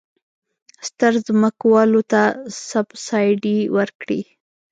ستر ځمکوالو ته سبسایډي ورکړي.